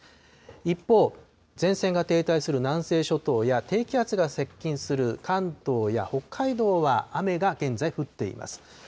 一方、前線が停滞する南西諸島や、低気圧が接近する関東や北海道は、雨が現在降っています。